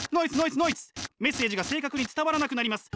メッセージが正確に伝わらなくなります。